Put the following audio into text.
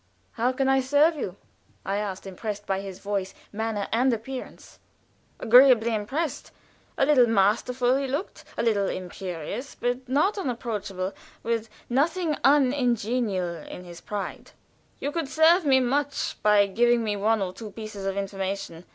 "How can I serve you?" I asked, impressed by his voice, manner, and appearance; agreeably impressed. A little masterful he looked a little imperious, but not unapproachable, with nothing ungenial in his pride. "You could serve me very much by giving me one or two pieces of information.